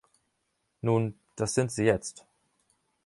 Nun, das sind Sie jetzt.